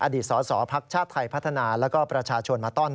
อดีตสสพักชาติไทยพัฒนาแล้วก็ประชาชนมาต้อน